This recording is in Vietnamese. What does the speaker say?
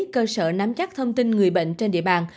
cơ sở nắm chắc thông tin người bệnh trên địa bàn